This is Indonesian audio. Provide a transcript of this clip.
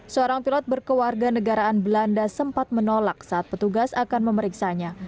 seorang pilot berkewarga negaraan belanda sempat menolak saat petugas akan memeriksanya